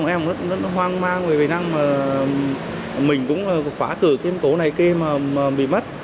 em rất hoang mang vì mình cũng phá cửa trên cửa này kia mà bị mất